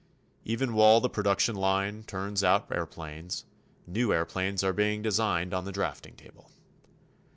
Even while the production line turns out airplanes, new airplanes are being designed on the drafting table.